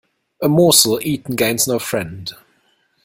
A morsel eaten gains no friend.